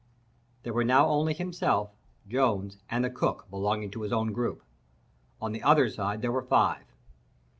There were now only himself, Jones, and the cook belonging to his own gang—on the other side there were five.